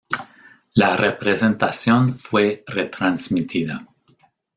La representación fue retransmitida.